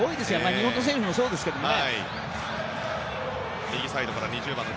日本の選手もそうですけどね。